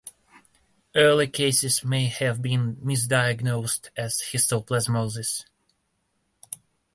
Early cases may have been misdiagnosed as histoplasmosis.